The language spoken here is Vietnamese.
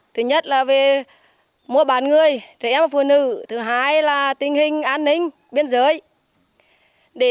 thứ nhất là về mua bán người trẻ em và phụ nữ thứ hai là tình hình an ninh biên giới